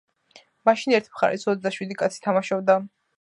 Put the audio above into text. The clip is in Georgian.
მაშინ ერთ მხარეს ოცდაშვიდი კაცი თამაშობდა.